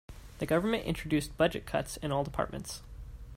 The government introduced budget cuts in all departments.